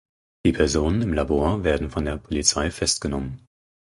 Die Personen im Labor werden von der Polizei festgenommen.